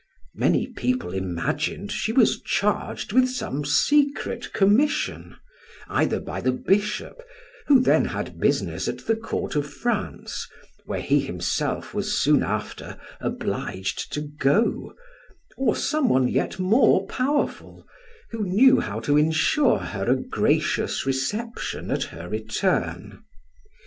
Many people imagined she was charged with some secret commission, either by the bishop, who then had business at the court of France, where he himself was soon after obliged to go, or some one yet more powerful, who knew how to insure her a gracious reception at her return.